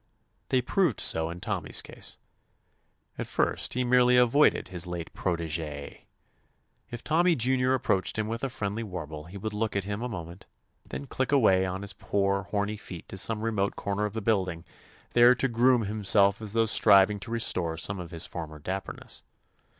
They proved so in Tommy's case. At first he merely avoided his late protege. If Tommy Junior approached him with a friendly warble he would look at him a moment, then click away on 189 THE ADVENTURES OF his poor, horny feet to some remote corner of the building, there to groom himself as though striving to restore some of his former dapperness.